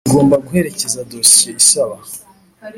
Kigomba guherekeza dosiye isaba